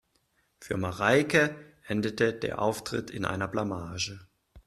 Für Mareike endete der Auftritt in einer Blamage.